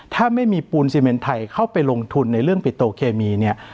ถ้าไม่มีปูนซีเมนไทยเข้าไปลงทุนในเรื่องปิโตเคมีเนี่ย